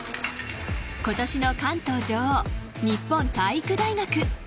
今年の関東女王日本体育大学。